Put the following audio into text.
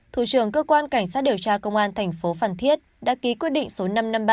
thủ trưởng cơ quan cảnh sát điều tra công an tp phản thiết đã ký quyết định số năm trăm năm mươi ba